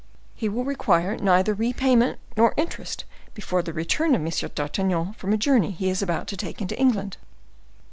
He will require neither repayment nor interest before the return of M. d'Artagnan from a journey he is about to take into England.